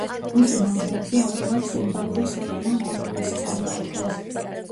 მისი ნანგრევები ამჟამად ზიმბაბვეს ეროვნულ მონუმენტს წარმოადგენს.